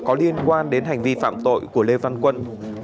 có liên quan đến hành vi phạm tội của lê văn quân